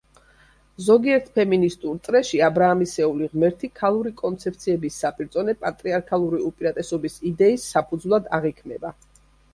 ზოგიერთ ფემინისტურ წრეში აბრაამისეული ღმერთი ქალური კონცეფციების საპირწონე პატრიარქალური უპირატესობის იდეის საფუძვლად აღიქმება.